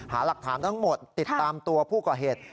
หาหลักฐานทั้งหมดติดตามตัวผู้ก่อเหตุ